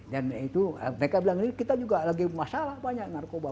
dan itu mereka bilang ini kita juga lagi masalah banyak narkoba